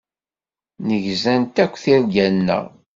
Nnegzant akk tirga-nneɣ.